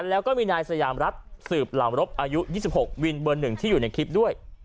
แล้วก็มีนายสยามรัฐสืบหล่ำรบอายุ๒๖วินเบอร์๑ที่อยู่ในคลิปด้วย